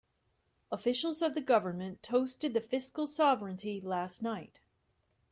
Officials of the government toasted the fiscal sovereignty last night.